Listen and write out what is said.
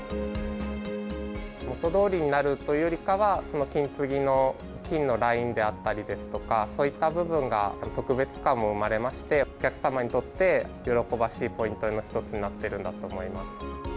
元どおりになるというよりかは、その金継ぎの金のラインであったりですとか、そういった部分が、特別感も生まれまして、お客様にとって、喜ばしいポイントの一つになってるんだと思います。